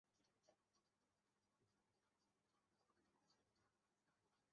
কল্পনা বাস্তবিক দৃষ্টিভঙ্গি থেকে যেকোন বিষয় তুলে নিয়ে জটিল ইফ-ফাংশন এর মাধ্যমে নতুন নিজস্ব ধারণা প্রকাশ করে।